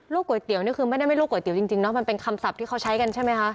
ก๋วยเตี๋ยวนี่คือไม่ได้ไม่ลูกก๋วเตี๋ยจริงเนาะมันเป็นคำศัพท์ที่เขาใช้กันใช่ไหมคะ